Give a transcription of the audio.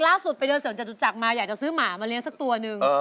ไปเดินเสริมจตุจักรมาอยากจะซื้อหมามาเลี้ยสักตัวหนึ่ง